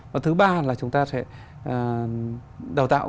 và thứ ba là chúng ta sẽ đào tạo